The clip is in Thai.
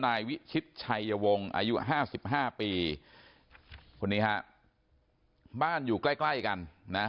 นายวิชิตชัยวงอายุ๕๕ปีคนนี้ครับบ้านอยู่ใกล้กันนะ